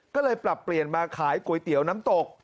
ก็เลยปรับเปลี่ยนมาขายก๋วยเตี๋ยวน้ำตก